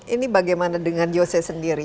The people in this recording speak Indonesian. ini bagaimana dengan yose sendiri